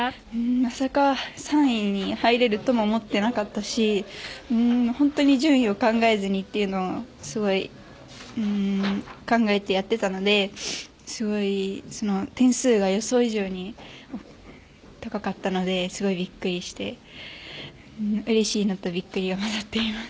まさか３位に入れるとも思っていなかったし本当に順位を考えずにというのを考えてやっていたので点数が予想以上に高かったのですごいびっくりしてうれしいのとびっくりがまざっています。